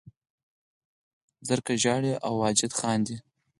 زرکه ژاړي او واجده خاندي